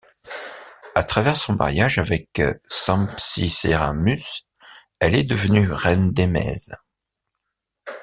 À travers son mariage avec Sampsiceramus, elle est devenue reine d'Émèse.